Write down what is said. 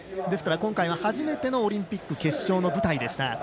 ですから今回は初めてのオリンピック決勝の舞台でした。